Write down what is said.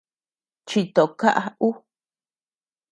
Chito kaʼa ú.